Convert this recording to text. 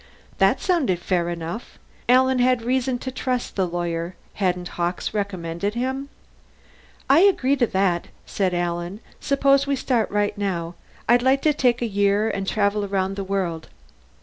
That sounded fair enough. Alan had reason to trust the lawyer; hadn't Hawkes recommended him? "I'll agree to that," Alan said. "Suppose we start right now. I'd like to take a year and travel around the world.